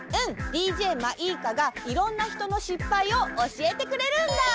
ＤＪまいーかがいろんなひとのしっぱいをおしえてくれるんだ！